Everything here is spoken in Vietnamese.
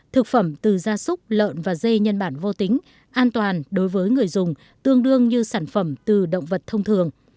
thực phẩm từ da súc lợn và dây nhân bản vô tính an toàn đối với người dùng tương đương như sản phẩm từ động vật thông thường